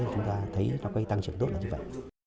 chúng ta thấy nó có cái tăng trưởng tốt là như vậy